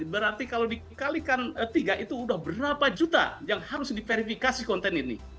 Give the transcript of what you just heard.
berarti kalau dikalikan tiga itu sudah berapa juta yang harus diverifikasi konten ini